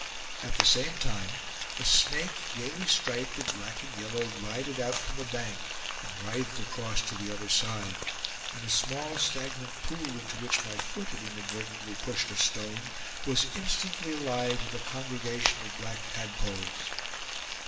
At the same time a snake, gayly striped with black and yellow, glided out from the bank, and writhed across to the other side; and a small stagnant pool into which my foot had inadvertently pushed a stone was instantly alive with a congregation of black tadpoles.